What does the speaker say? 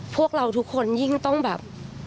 พวกเราทุกคนยิ่งต้องแบบ